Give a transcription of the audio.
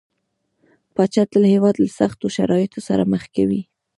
پاچا تل هيواد له سختو شرايطو سره مخ کوي .